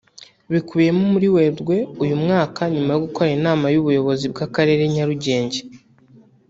Bimukiyemo muri Werurwe uyu mwaka nyuma yo gukorana inama y’ubuyobozi bw’Akarere ka Nyarugenge